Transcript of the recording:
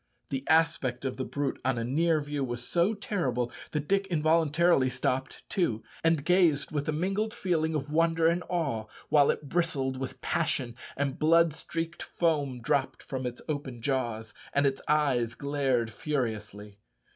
The aspect of the brute on a near view was so terrible that Dick involuntarily stopped too, and gazed with a mingled feeling of wonder and awe, while it bristled with passion, and blood streaked foam dropped from its open jaws, and its eyes glared furiously.